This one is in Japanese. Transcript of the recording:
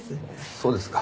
そうですか。